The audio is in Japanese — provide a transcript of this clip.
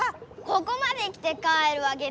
ここまで来て帰るわけないだろ。